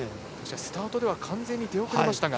スタートでは完全に出遅れましたが。